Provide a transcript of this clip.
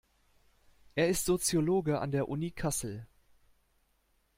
Er ist Soziologe an der Uni Kassel.